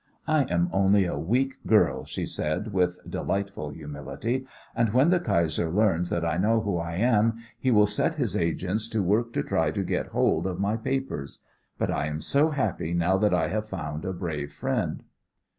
"I am only a weak girl," she said with delightful humility, "and when the Kaiser learns that I know who I am he will set his agents to work to try to get hold of my papers. But I am so happy now that I have found a brave friend."